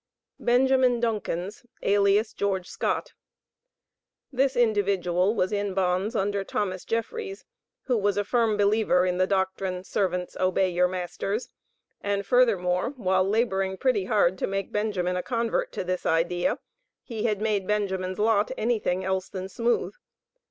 BENJAMIN DUNCANS, alias GEORGE SCOTT. This individual was in bonds under Thomas Jeffries, who was a firm believer in the doctrine: "Servants, obey your masters," and, furthermore, while laboring "pretty hard" to make Benjamin a convert to this idea, he had made Benjamin's lot anything else than smooth.